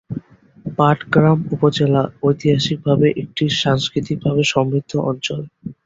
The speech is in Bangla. পাটগ্রাম উপজেলা ঐতিহাসিক ভাবে একটি সাংস্কৃতিক ভাবে সমৃদ্ধ অঞ্চল।